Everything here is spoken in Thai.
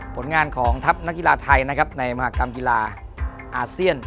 ผลงานของทัพนักกีฬาไทยนะครับในมหากรรมกีฬาอาเซียน